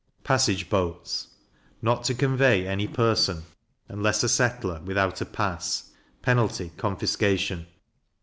Passage boats. Not to convey any person, unless a settler, without a pass; penalty, confiscation.